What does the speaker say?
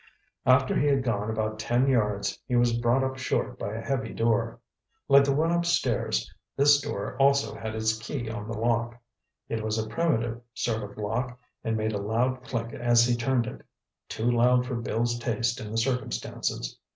After he had gone about ten yards, he was brought up short by a heavy door. Like the one upstairs, this door also had its key in the lock. It was a primitive sort of lock and made a loud click as he turned it—too loud for Bill's taste in the circumstances.